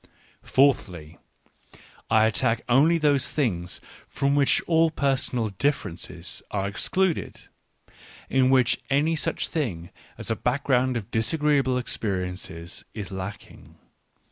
Fourthly, I attack only those things from which all personal differ ences are excluded, in which any such thing as a background of disagreeable experiences is lacking.